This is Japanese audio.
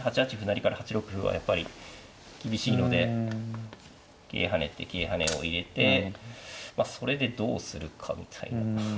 成から８六歩はやっぱり厳しいので桂跳ねて桂跳ねを入れてまあそれでどうするかみたいな。